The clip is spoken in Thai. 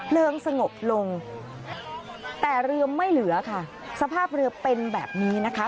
สงบลงแต่เรือไม่เหลือค่ะสภาพเรือเป็นแบบนี้นะคะ